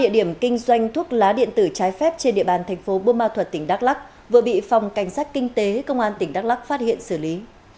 điểm kinh doanh thuốc lá điện tử trái phép trên địa bàn thành phố bô ma thuật tỉnh đắk lắc vừa bị phòng cảnh sát kinh tế công an tỉnh đắk lắc phát hiện xử lý